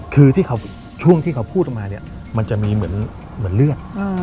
คือที่ช่วงที่เขาพูดออกมาเนี่ยมันจะมีเหมือนเลือด